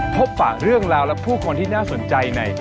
พบปะเรื่องราวและผู้คนที่น่าสนใจใน